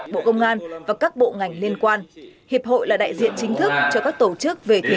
bộ công an và các bộ ngành liên quan hiệp hội là đại diện chính thức cho các tổ chức về thể